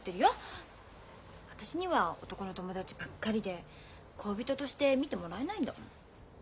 私には男の友達ばっかりで恋人として見てもらえないんだもん。